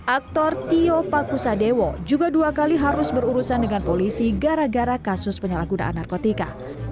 aktor tio pakusadewo juga dua kali harus berurusan dengan polisi gara gara kasus penyalahgunaan narkotika